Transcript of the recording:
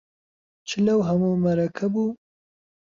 چ لەو هەموو مەرەکەب و